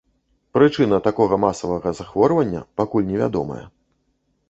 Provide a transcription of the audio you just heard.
Прычына такога масавага захворвання пакуль невядомая.